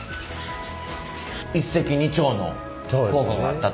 一石二鳥の効果があったと。